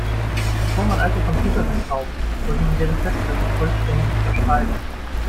Bevor man alte Computer verkauft, sollte man deren Festplatten vollständig überschreiben.